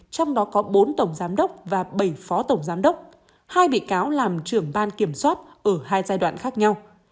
trong đó có bốn tổng giám đốc và bảy phó tổng giám đốc hai bị cáo làm trưởng ban kiểm soát ở hai giai đoạn khác nhau